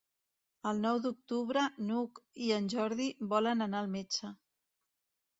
El nou d'octubre n'Hug i en Jordi volen anar al metge.